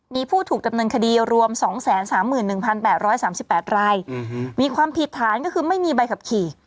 มีผู้ถูกจำนึงคดีรวมสองแสนสามหมื่นหนึ่งพันแปดร้อยสามสิบแปดร้ายอืมมีความผิดฐานก็คือไม่มีใบขับขี่